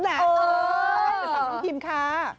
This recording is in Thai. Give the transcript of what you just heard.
เออสาวพิมค่ะ